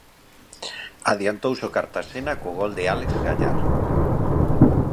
Adiantouse o Cartaxena co gol de Álex Gallar.